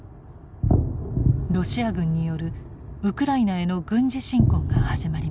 ロシア軍によるウクライナへの軍事侵攻が始まりました。